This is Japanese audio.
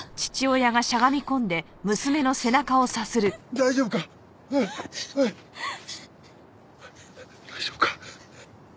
大丈夫か？